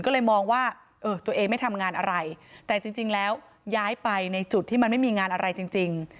ก็เลยมองว่าเออตัวเองไม่ทำงานอะไรแต่จริงแล้วย้ายไปในจุดที่มันไม่มีงานอะไรจริง